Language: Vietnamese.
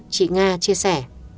chị nga chia sẻ